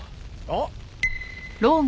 あっ！